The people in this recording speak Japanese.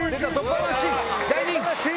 大人気！